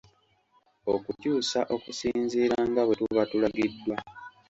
Okukyusa okusinziira nga bwe tuba tulagiddwa.